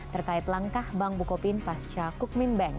terkait langkah bank bukopin pasca kukmin bank